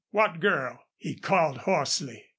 What girl?" he called, hoarsely.